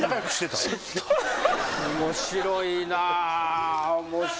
面白いな。